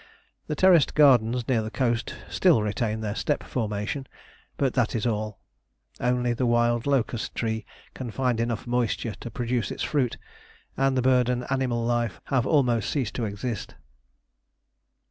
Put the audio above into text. The terraced gardens near the coast still retain their step formation, but that is all. Only the wild locust tree can find enough moisture to produce its fruit, and bird and animal life have almost ceased to exist.